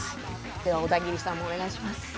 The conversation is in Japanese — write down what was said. では、オダギリさんもお願いします。